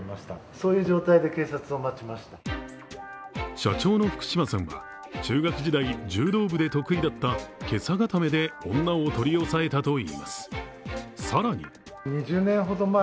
社長の福嶋さんは中学時代柔道部で得意だった袈裟固めで女を取り押さえたといいます。